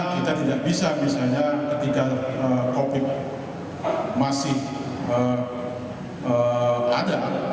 kita tidak bisa misalnya ketika covid masih ada